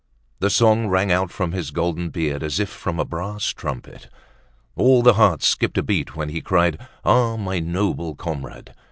The song rang out from his golden beard as if from a brass trumpet. All the hearts skipped a beat when he cried, "Ah, my noble comrade!"